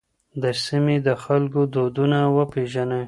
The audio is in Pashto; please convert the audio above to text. د سیمې د خلکو دودونه وپېژنئ.